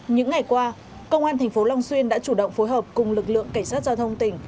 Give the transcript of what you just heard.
những ngày qua công an thành phố long xuyên đã chủ động phối hợp cùng lực lượng cảnh sát giao thông tỉnh